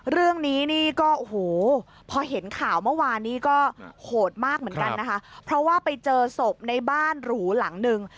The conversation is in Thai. เพราะว่าไปเจอสบในบ้านหรูหลังหนึ่ง